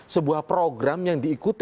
sebuah program yang diikuti